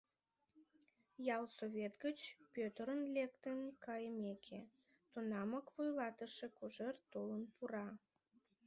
Ялсовет гыч Пӧтырын лектын кайымеке, тунамак вуйлатыше Кожер толын пура.